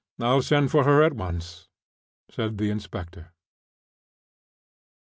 I'll send for her at once," said the inspector.